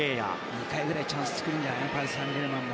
２回くらいチャンスを作るんじゃないかなパリ・サンジェルマンも。